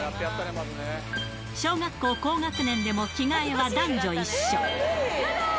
小学校高学年でも、着替えは男女一緒。